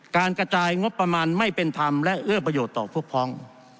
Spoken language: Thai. การกระจายงบประมาณไม่เป็นธรรมและเอื้อประโยชน์ต่อพวกพ้อง